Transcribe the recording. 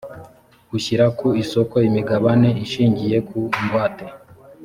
ushyira ku isoko imigabane ishingiye ku ngwate